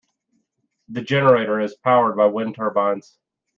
The generator is powered by wind turbines.